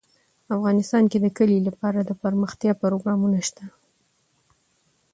افغانستان کې د کلي لپاره دپرمختیا پروګرامونه شته.